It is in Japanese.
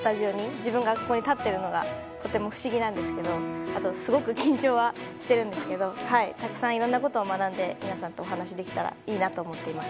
自分がここに立っているのがとても不思議なんであと、すごく緊張しているんですがたくさんいろんなことを学んで皆さんとお話しできたらいいなと思っています。